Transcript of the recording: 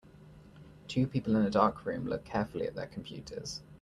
Two people in a dark room look carefully at their computers.